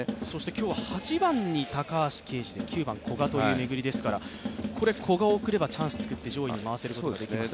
今日は８番に高橋奎二、９番に古賀という巡りですから、古賀を送ればチャンスを作って上位に回すことができます。